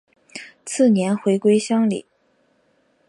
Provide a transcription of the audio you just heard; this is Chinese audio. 次年回归乡里。